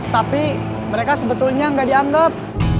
tapi mereka sebetulnya nggak dianggap